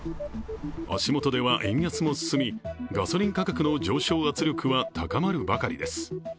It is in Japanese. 足元では円安も進み、ガソリン価格の上昇圧力は高まるばかりです。